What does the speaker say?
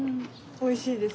おいしいです。